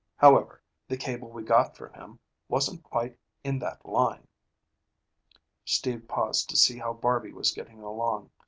However, the cable we got from him wasn't quite in that line." Steve paused to see how Barby was getting along.